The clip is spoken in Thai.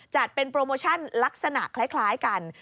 จัดเป็นโปรโมชั่นลักษณะคล้ายกัน